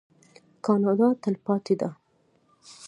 کاناډا تلپاتې ده.